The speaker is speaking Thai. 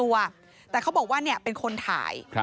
เขาไปขอเปิดเผยตัวแต่เขาบอกว่าเนี่ยเป็นคนถ่าย